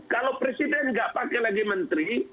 kalau presiden nggak pakai lagi menteri